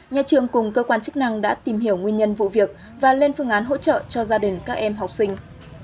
nhà trường cùng cơ quan chức năng đã tìm hiểu nguyên nhân vụ việc và lên phương án hỗ trợ cho gia đình các em học sinh